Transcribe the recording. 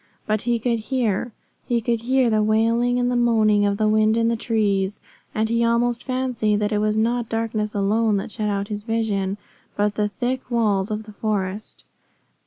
But he could hear. He could hear the wailing and the moaning of the wind in the trees, and he almost fancied that it was not darkness alone that shut out his vision, but the thick walls of the forest.